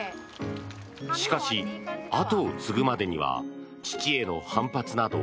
しかし、後を継ぐまでには父への反発など